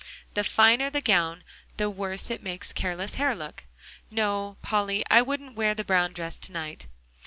The finer the gown, the worse it makes careless hair look. No, Polly, I wouldn't wear the brown dress to night."